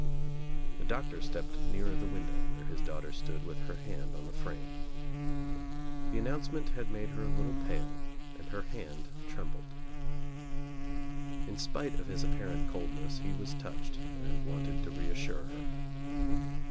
The Doctor stepped nearer the window where his daughter stood with her hand on the frame. The UNLXGHTED LAMPS 67 announcement had made her a little pale and her hand trembled. In spite of his apparent coldness he was touched and wanted to reassure her.